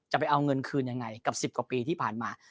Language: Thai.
ไปเอาเงินคืนยังไงกับ๑๐กว่าปีที่ผ่านมา